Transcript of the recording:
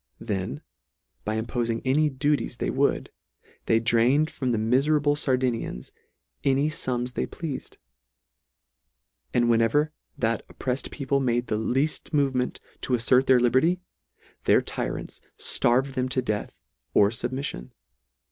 Then, by impofing any duties they would, they drained from the miferable Sardini ans any fums they pleafed ; and whenever that opprelfed people made the leafl move ment to affert their liberty, their tyrants flarved them to death or fubmiffion.